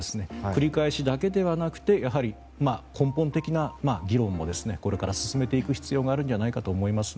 繰り返しだけではなくて根本的な議論もこれから進めていく必要があるんじゃないかと思います。